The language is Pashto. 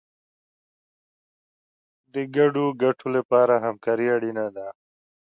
د ګډو ګټو لپاره همکاري اړینه ده.